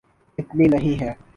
اتنی نہیں ہے۔